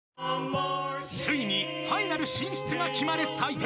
［ついにファイナル進出が決まる採点］